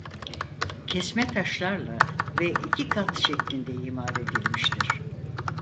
Kesme taşlarla ve iki kat şeklinde imar edilmiştir.